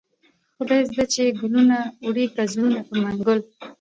خداى زده چې گلونه وړې كه زړونه په منگل